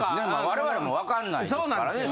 我々もわかんないですからね。